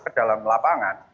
ke dalam lapangan